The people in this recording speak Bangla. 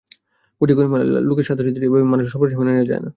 গুটিকয়েক লোকের স্বার্থসিদ্ধির জন্য এভাবে মানুষের সর্বনাশ মেনে নেওয়া যায় না।